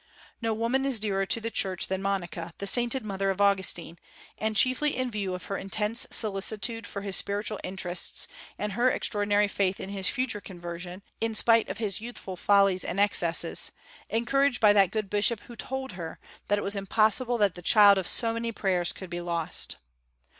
No woman is dearer to the Church than Monica, the sainted mother of Augustine, and chiefly in view of her intense solicitude for his spiritual interests, and her extraordinary faith in his future conversion, in spite of his youthful follies and excesses, encouraged by that good bishop who told her "that it was impossible that the child of so many prayers could be lost."